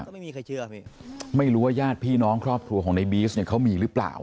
ไม่รู้ว่าญาติพี่น้องครอบครัวของในบี๊สเนี่ยเขามีหรือเปล่า